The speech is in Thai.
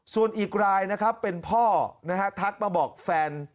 ส่วนอีกรายนะครับเป็นพ่อนะฮะทักมาบอกแฟน